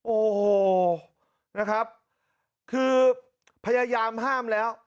โอ้โหนะครับคือพยายามห้ามแล้ว